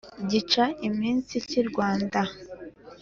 gica iminsi k’i rwanda